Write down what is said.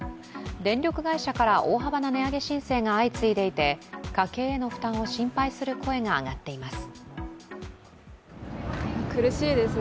電力会社から大幅な値上げ申請が相次いでいて家計への負担を心配する声が上がっています。